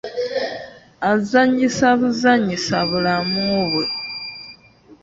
Azannyisa buzannyisa bulamu bwe.